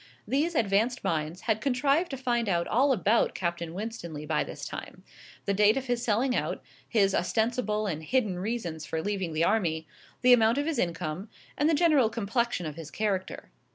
These advanced minds had contrived to find out all about Captain Winstanley by this time the date of his selling out, his ostensible and hidden reasons for leaving the army, the amount of his income, and the general complexion of his character.